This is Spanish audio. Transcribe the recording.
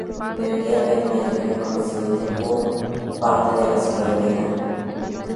Debería ver mayor reconocimiento po parte de la superioridad.